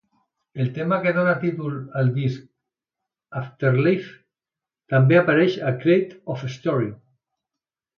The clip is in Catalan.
El tema que dóna títol al disc, "Afterlife", també apareix a "Cradle of History".